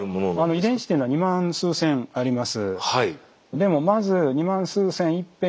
遺伝子っていうのは２万数千あります。